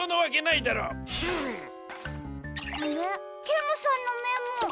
ケムさんのめも。